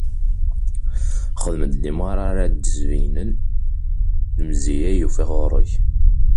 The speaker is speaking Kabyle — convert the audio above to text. Xedm-d limara ara d-isbeyynen lemziya i ufiɣ ɣur-k.